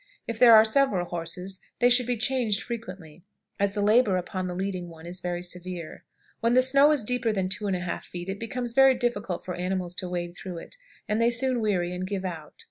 If there are several horses they should be changed frequently, as the labor upon the leading one is very severe. When the snow is deeper than 2 1/2 feet, it becomes very difficult for animals to wade through it, and they soon weary and give out.